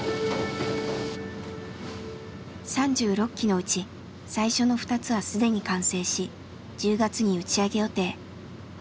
３６機のうち最初の２つは既に完成し１０月に打ち上げ予定。